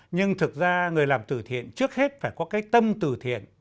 nhưng thực ra người làm từ thiện trước hết phải có cái tâm từ thiện